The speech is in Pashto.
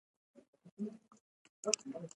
اوښ د افغانستان د ټولنې لپاره بنسټيز رول لري.